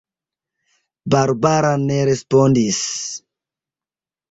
Barbara ne respondis.